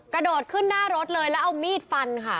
กระโดดขึ้นหน้ารถเลยแล้วเอามีดฟันค่ะ